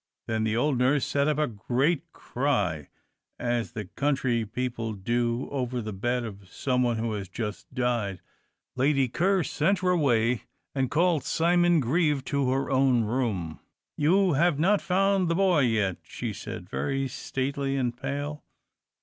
Then the old nurse set up a great cry, as the country people do over the bed of someone who has just died. Lady Ker sent her away, and called Simon Grieve to her own room. "You have not found the boy yet?" she said, very stately and pale.